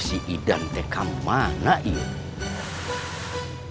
si idan teka mana ini